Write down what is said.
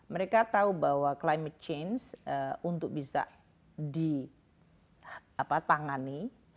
mereka tahu bahwa climate change untuk bisa ditangani